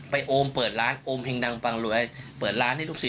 โอมเปิดร้านโอมเฮงดังปังรวยเปิดร้านให้ลูกศิษ